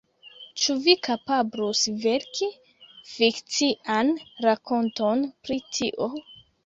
Ĉu vi kapablus verki fikcian rakonton pri tio?